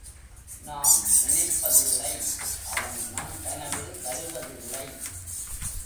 நாம் நினைப்பதில்லை அவன் நம் கனவில் வருவதில்லை.